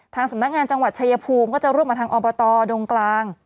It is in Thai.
สำนักงานจังหวัดชายภูมิก็จะร่วมกับทางอบตดงกลาง